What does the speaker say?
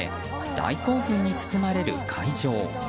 大興奮に包まれる会場。